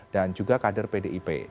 dan juga kader pdip